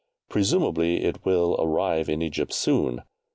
Presumably, it will arrive in Egypt soon.